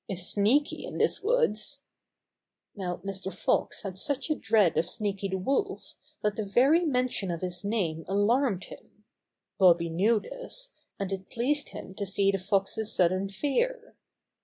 "Is Sneaky in this woods?" Now Mr. Fox had such a dread of Sneaky the Wolf that the very mention of his name alarmed him. Bobby knew this, and it pleased him to see the Fox's sudden fear.